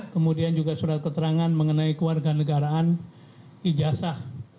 kemudian juga surat keterangan mengenai keluarga negaraan ijazah